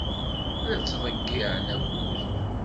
La tettḍeyyiɛem akud.